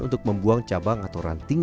untuk membuang cabang atau ranting